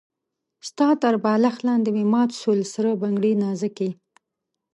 ستا تر بالښت لاندې مي مات سول سره بنګړي نازکي